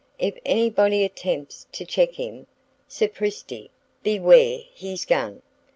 If anybody attempts to check him,—sapristi! beware his gun!